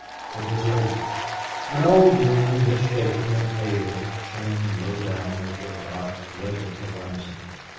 It was late. An old moon, misshapen and pale, shone low down over a dark, rugged horizon.